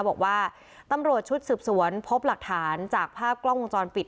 บอกว่าตำรวจชุดสืบสวนพบหลักฐานจากภาพกล้องวงจรปิด